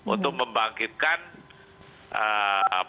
untuk membangkitkan screening di masing masing komunitas